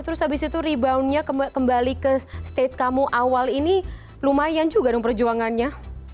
terus habis itu reboundnya kembali ke state kamu awal ini lumayan juga dong perjuangannya